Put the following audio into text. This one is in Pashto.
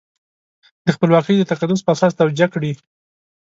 د خپلواکۍ د تقدس په اساس توجیه کړي.